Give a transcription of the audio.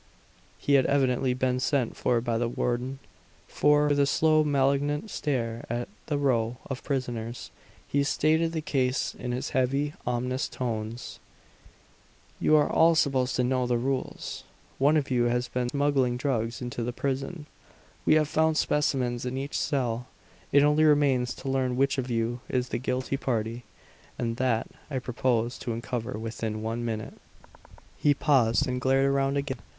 He had evidently been sent for by the warden; for, with a slow, malignant stare at the row of prisoners, he stated the case in his heavy, ominous tones: "You are all supposed to know the rules. One of you has been smuggling drugs into the prison; we have found specimens in each cell. It only remains to learn which of you is the guilty party; and that, I propose to uncover within one minute!" He paused, and glared around again.